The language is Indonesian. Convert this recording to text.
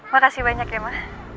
makasih banyak ya ma